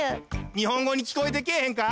日本ごにきこえてけぇへんか？